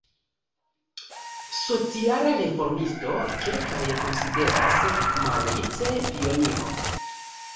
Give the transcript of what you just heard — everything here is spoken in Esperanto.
Sociala reformisto, kelkaj konsideras Maurice pioniro.